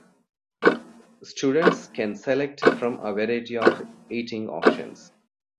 Students can select from a variety of eating options.